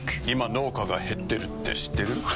今農家が減ってるって知ってる？